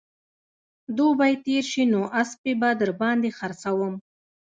دوبى تېر شي نو اسپې به در باندې خرڅوم